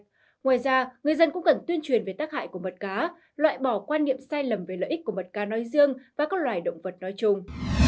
ngoài ra người dân cũng cần tuyên truyền về tác hại của mật cá loại bỏ quan niệm sai lầm về lợi ích của mật cá nói riêng và các loài động vật nói chung